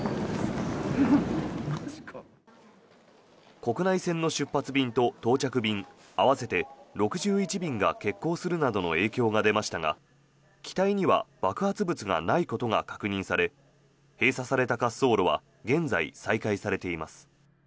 国内線の出発便と到着便合わせて６１便が欠航するなどの影響が出ましたが機体には爆発物がないことが確認され閉鎖された滑走路は現在、再開されています。